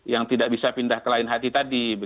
yang tidak bisa pindah ke lain hati tadi